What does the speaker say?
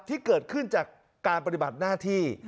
ที่เกิดขึ้นจากการปฏิบัติหน้าที่